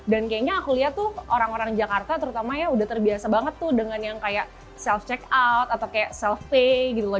dan kayaknya aku lihat tuh orang orang jakarta terutama ya sudah terbiasa banget tuh dengan yang kayak self checkout atau kayak self pay gitu loh